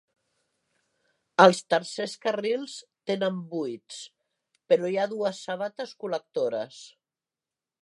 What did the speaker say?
Els tercers carrils tenen buits, però hi ha dues sabates col·lectores.